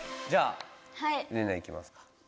じゃあレナいきますか。